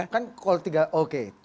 kan kalau tiga oke